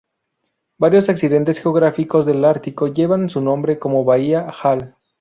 Varios accidentes geográficos del ártico llevan su nombre, como bahía Hall.